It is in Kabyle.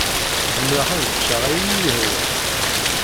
Zemreɣ ad ččeɣ ayen iyi-yehwan.